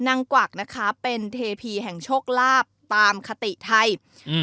กวักนะคะเป็นเทพีแห่งโชคลาภตามคติไทยอืม